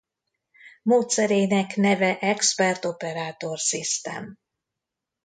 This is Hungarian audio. Módszerének neve Expert-Operator System.